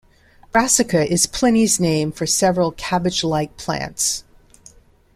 'Brassica' is Pliny's name for several cabbage-like plants.